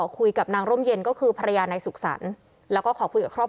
แค่เนี่ยครับ